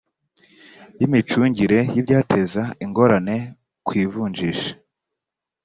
y imicungire y ibyateza ingorane ku ivunjisha